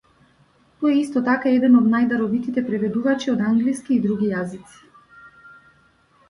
Тој е исто така еден од најдаровитите преведувачи од англиски и други јазици.